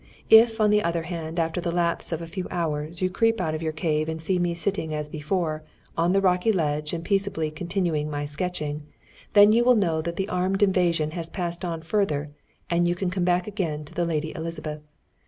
If, on the other hand, after the lapse of a few hours, you creep out of your cave and see me sitting as before, on the rocky ledge, and peaceably continuing my sketching, then you will know that the armed invasion has passed on further, and you can come back again to the Lady Elizabeth.